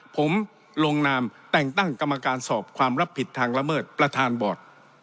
ผมลงนามแต่งตั้งกรรมการสอบความรับผิดทางละเมิดประธานบอร์ด